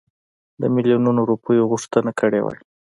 د میلیونونو روپیو غوښتنه کړې وای.